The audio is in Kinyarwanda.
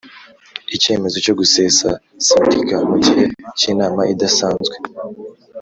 Icyemezo cyo gusesa Sendika mugihe cy’inama idasanzwe